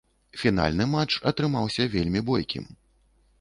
Фінальны матч атрымаўся вельмі бойкім.